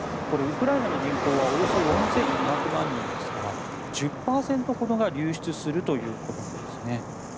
これ、ウクライナの人口はおよそ４２００万人ですから１０％ほどが流出するということなんですね。